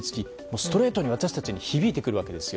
ストレートに私たちに響いてくるわけですよ。